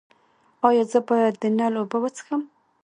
ایا زه باید د نل اوبه وڅښم؟